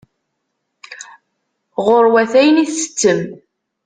Ɣur-wet ayen i ttettem.